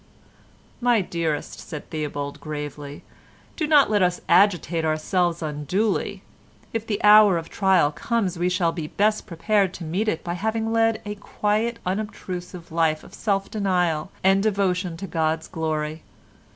"My dearest," said Theobald gravely, "do not let us agitate ourselves unduly. If the hour of trial comes we shall be best prepared to meet it by having led a quiet unobtrusive life of self denial and devotion to God's glory.